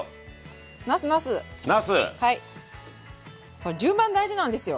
これ順番大事なんですよ。